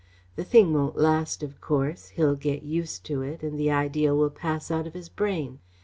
The thing won't last, of course. He'll get used to it, and the idea will pass out of his brain.